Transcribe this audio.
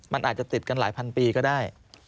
มันอาจจะติดกันหลายพันปีก็ได้